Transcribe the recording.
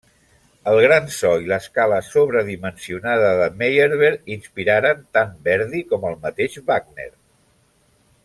El gran so i l'escala sobredimensionada de Meyerbeer inspiraren tant Verdi com el mateix Wagner.